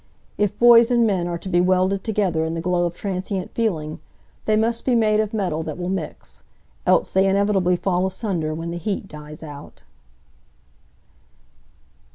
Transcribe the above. If boys and men are to be welded together in the glow of transient feeling, they must be made of metal that will mix, else they inevitably fall asunder when the heat dies out.